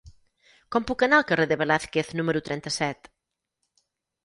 Com puc anar al carrer de Velázquez número trenta-set?